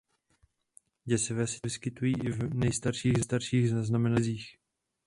Děsivé situace se vyskytují i v nejstarších zaznamenaných příbězích.